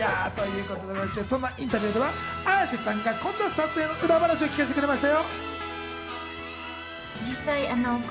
インタビューでは綾瀬さんがこんな撮影の裏話を聞かせてくれました。